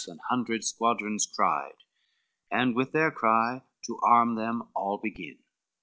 an hundred squadrons cried, And with their cry to arm them all begin.